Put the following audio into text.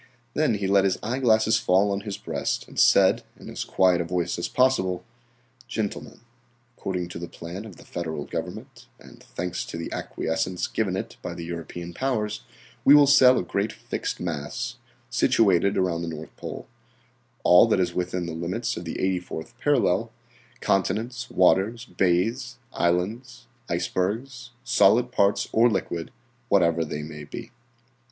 Then he let his eyeglasses fall on his breast and said in as quiet a voice as possible: "Gentlemen, according to the plan of the Federal government, and thanks to the acquiescence given it by the European powers, we will sell a great fixed mass, situated around the North Pole, all that is within the limits of the 84th parallel, continents, waters, bays, islands, icebergs, solid parts or liquid, whatever they may be."